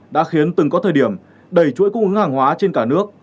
đã khiến từng có thời điểm đẩy chuỗi cung ứng hàng hóa trên cả nước